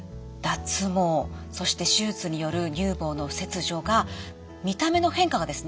脱毛そして手術による乳房の切除が見た目の変化がですね